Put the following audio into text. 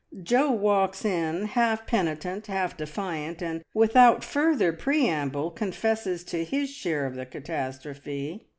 Jo walks in, half penitent, half defiant, and without further preamble confesses to his share of the catastrophe.